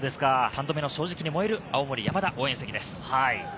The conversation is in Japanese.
３度目の正直に燃える青森山田応援席です。